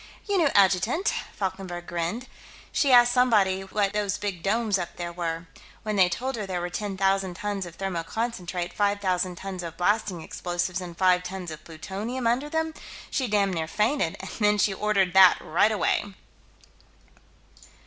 "Your new adjutant," Falkenberg grinned. "She asked somebody what those big domes, up there, were. When they told her there were ten thousand tons of thermoconcentrate, five thousand tons of blasting explosives, and five tons of plutonium, under them, she damned near fainted, and then she ordered that, right away."